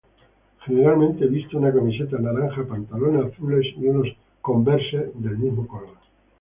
Generalmente viste una camiseta naranja, pantalones azules y unos "Converse" del mismo color.